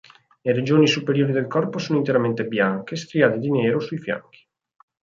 Le regioni superiori del corpo sono interamente bianche, striate di nero sui fianchi.